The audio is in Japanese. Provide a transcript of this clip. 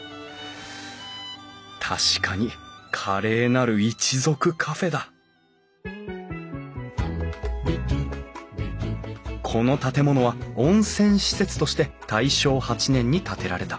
確かに「華麗なる一族カフェ」だこの建物は温泉施設として大正８年に建てられた。